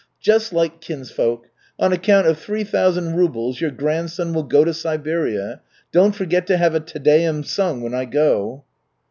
Just like kinsfolk. On account of three thousand rubles your grandson will go to Siberia. Don't forget to have a Te Deum sung when I go."